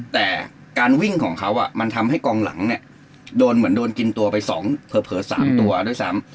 แต่การวิ่งของเขามันทำให้กองหลังเนี่ยโดนเหมือนโดนกินตัวไป๒เผลอ๓ตัวด้วยซ้ำ